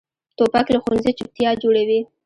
توپک له ښوونځي چپتیا جوړوي.